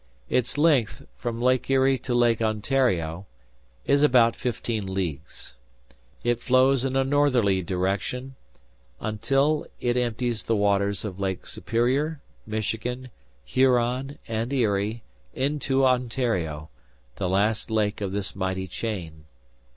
Its length, from Lake Erie to Lake Ontario, is about fifteen leagues. It flows in a northerly direction, until it empties the waters of Lake Superior, Michigan, Huron, and Erie into Ontario, the last lake of this mighty chain.